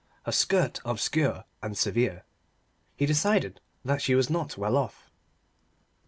Her skirt obscure and severe. He decided that she was not well off.